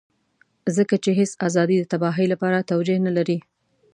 ځکه چې هېڅ ازادي د تباهۍ لپاره توجيه نه لري.